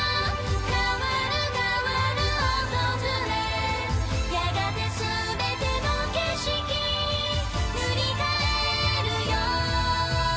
「変わるがわる訪れ」「やがてすべての景色」「塗り替えるよ」